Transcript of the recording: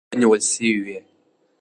اوبه نیول سوې وې.